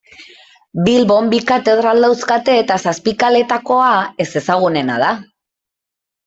Bilbon bi katedral dauzkate eta Zapikaleetakoa ezezagunena da.